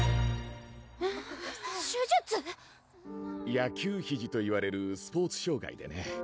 ⁉野球肘といわれるスポーツ障害でね